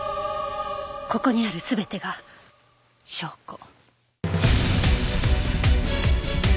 ここにある全てが証拠。